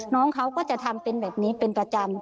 น้องเขาก็จะทำเป็นแบบนี้เป็นประจำ